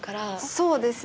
そうですね。